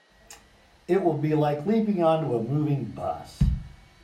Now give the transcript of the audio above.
It will be like leaping on to a moving bus.